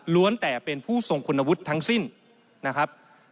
แต่เป็นผู้ทรงคุณวุฒิทั้งสิ้นนะครับ